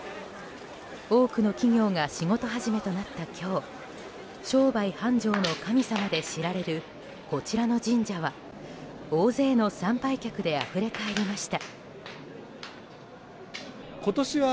多くの企業が仕事始めとなった今日商売繁盛の神様で知られるこちらの神社は大勢の参拝客であふれ返りました。